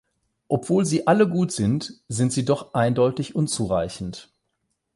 Obwohl sie alle gut sind, sind sie doch eindeutig unzureichend.